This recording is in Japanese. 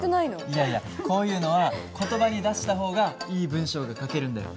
いやいやこういうのは言葉に出した方がいい文章が書けるんだよ。